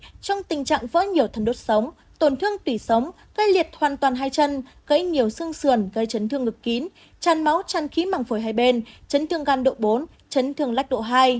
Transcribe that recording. bác sĩ lý đang tình trạng vỡ nhiều thân đốt sống tổn thương tủy sống gây liệt hoàn toàn hai chân gây nhiều xương sườn gây chấn thương ngực kín chăn máu chăn khí mẳng phổi hai bên chấn thương gan độ bốn chấn thương lách độ hai